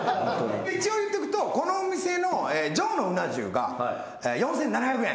一応言っておくとこのお店の上のうな重が４，７００円。